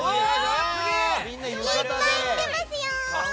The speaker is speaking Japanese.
いっぱい来てますよ！